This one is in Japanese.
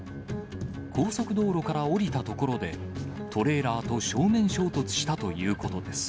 高速道路から降りたところで、トレーラーと正面衝突したということです。